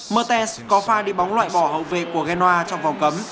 mertes có pha đi bóng loại bỏ hậu vệ của genoa trong vòng cấm